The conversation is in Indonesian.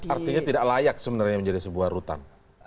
artinya tidak layak sebenarnya menjadi sebuah rutan